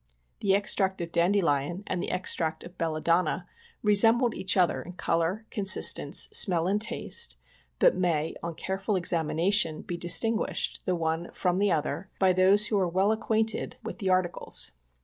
The extract of dandelion and the extract of belladonna resembled each other in color, consistence, smell and taste, but may, on careful examination, be distinguished, the one from the other, by those who are well acquainted with the POISONING BY CAN^NED GOODS. G9 articles.